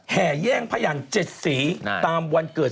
แห่แย่งพยัน๗สีตามวันเกิด